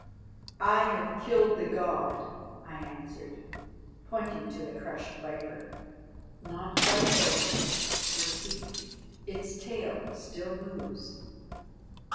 "I have killed the god," I answered, pointing to the crushed viper. "Not quite, Olaf, for, see, its tail still moves."